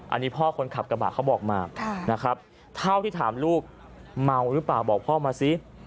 อันนี้พ่อคนขับกระบะเขาบอกมานะครับเท่าที่ถามลูกเมาหรือเปล่าบอกพ่อมาซิ